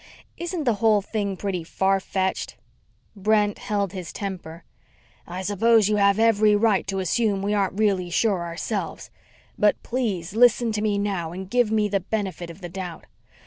"Isn't the whole thing pretty far fetched?" Brent held his temper. "I suppose you have every right to assume we aren't really sure ourselves. But please listen to me now and give me the benefit of the doubt.